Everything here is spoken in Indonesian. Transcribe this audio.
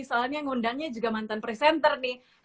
soalnya ngundangnya juga mantan presenter nih